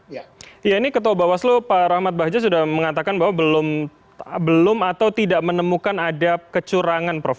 ya ini ketua bawaslu pak rahmat bahja sudah mengatakan bahwa belum atau tidak menemukan ada kecurangan prof